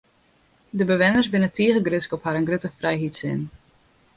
De bewenners binne tige grutsk op harren grutte frijheidssin.